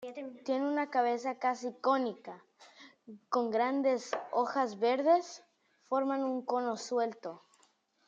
Tiene una cabeza casi cónica, con grandes hojas verdes forman un cono suelto.